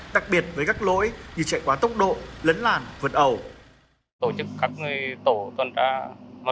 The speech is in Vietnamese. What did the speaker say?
đặc biệt với các lỗi như chạy quá tốc độ lấn làn vượt ẩu